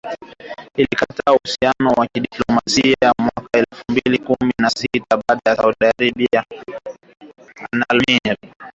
Ilikata uhusiano wa kidiplomasia mwaka elfu mbili kumi na sita, baada ya Saudi Arabia kumuua kiongozi maarufu wa kishia, aliyejulikana kama Nimr al-Nimr